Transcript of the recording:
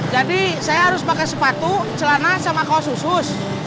jadi saya harus pakai sepatu celana sama kaos usus